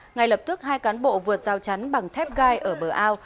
ngay lập tức hai cán bộ vượt rào chắn bằng thép gai ở bờ ao